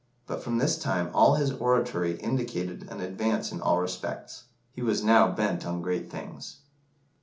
But from this time all his oratory indicated an advance in all respects. He was now bent on great things.